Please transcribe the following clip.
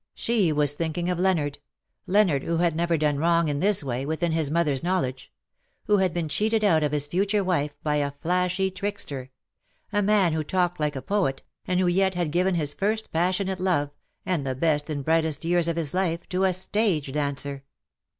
She was thinking of Leonard — Leonard who had never LE SECRET DE POLICHINELLE. 241 done wrong, in this way, within his mother's know ledge — who had been cheated out of his future wife by a flashy trickster — a man who talked like a pbet, and who yet had given his first passionate love, and the best and brightest years of his life to a stage dancer.